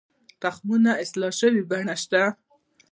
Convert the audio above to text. د تخمونو اصلاح شوې بڼې شته؟